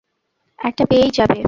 একটা পেয়েই যাবে।